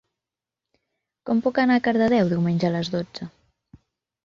Com puc anar a Cardedeu diumenge a les dotze?